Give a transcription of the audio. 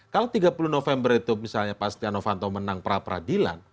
kalau tiga puluh november itu misalnya pas tiano fanto menang peradilan